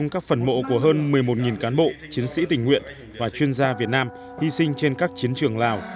một mươi một cán bộ chiến sĩ tình nguyện và chuyên gia việt nam hy sinh trên các chiến trường lào